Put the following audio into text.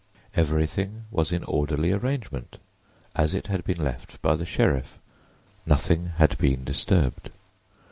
Everything was in orderly arrangement, as it had been left by the sheriff; nothing had been disturbed.